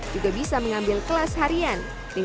juga bisa mengambil kelas harian